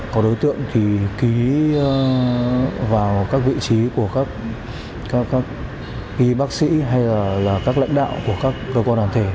có đối tượng thì ký vào các vị trí của các y bác sĩ hay là các lãnh đạo của các cơ quan hàng thể